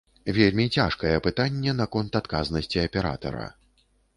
Вельмі цяжкае пытанне наконт адказнасці аператара.